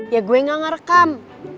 ya gue gak ngerekam